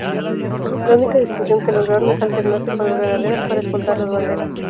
La única distinción que lograron es alternarse con los granaderos para escoltar las banderas.